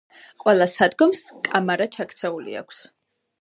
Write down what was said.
ყველა სადგომს კამარა ჩაქცეული აქვს.